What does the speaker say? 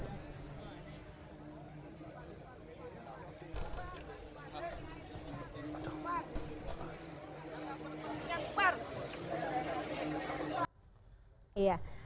tidak ada yang masuk